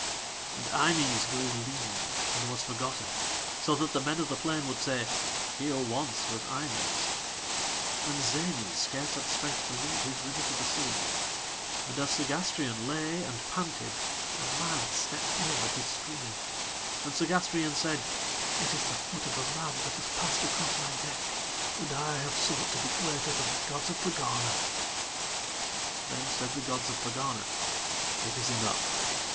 And Eimës grew lean, and was forgotten, so that the men of the plain would say: "Here once was Eimës"; and Zänës scarce had strength to lead his river to the sea; and as Segástrion lay and panted a man stepped over his stream, and Segástrion said: "It is the foot of a man that has passed across my neck, and I have sought to be greater than the gods of Pegana." Then said the gods of Pegana: "It is enough.